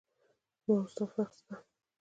زما او ستا فرق سته.